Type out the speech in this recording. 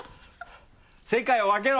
世界を分けろ！